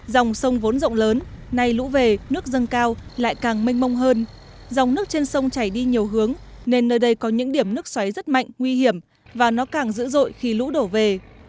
dòng sông vốn rộng lớn nay lũ về nước dâng cao lại càng mênh mông hơn dòng nước trên sông chảy đi nhiều hướng nên nơi đây có những điểm nước xoáy rất mạnh nguy hiểm và nó càng dữ dội khi lũ đổ về